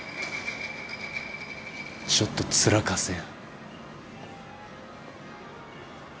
ちょっと面貸せや。